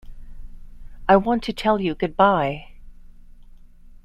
I want to tell you good-bye.